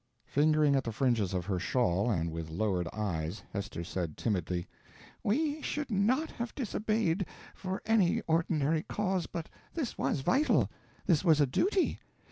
Fingering at the fringes of her shawl, and with lowered eyes, Hester said, timidly: "We should not have disobeyed for any ordinary cause, but this was vital. This was a duty.